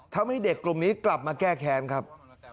ทำให้เด็กกลุ่มนี้กลับมาแก้แค้นครับ